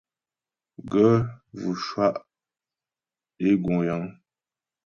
Gaə̂ vʉ shwá' é gú' yəŋ.